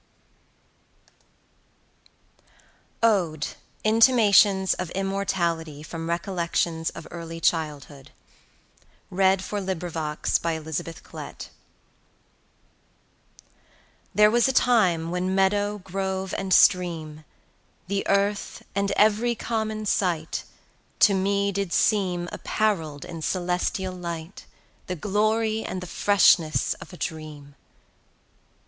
Ode Intimations of Immortality from Recollections of Early Childhood THERE was a time when meadow, grove, and stream, The earth, and every common sight, To me did seem Apparell'd in celestial light, The glory and the freshness of a dream.